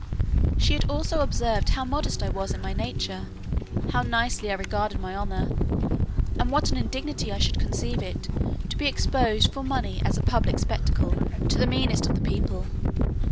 She had also observed how modest I was in my nature, how nicely I regarded my honour, and what an indignity I should conceive it, to be exposed for money as a public spectacle, to the meanest of the people.